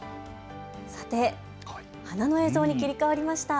花の映像に切り替わりました。